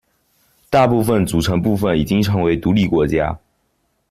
大部分组成部分已经成为独立国家。